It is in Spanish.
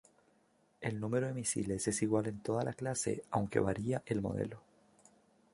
El número de misiles es igual en toda la clase aunque varía el modelo.